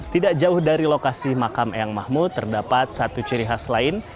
tidak jauh dari lokasi makam eyang mahmud terdapat satu ciri khas lain